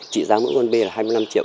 chỉ ra mỗi con bê là hai mươi năm triệu